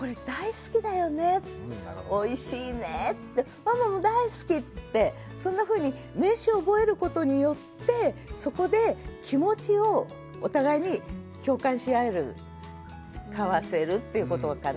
ト・マ・ト」ってやりがちなんだけどそんなふうに名詞を覚えることによってそこで気持ちをお互いに共感し合える交わせるっていうことかな。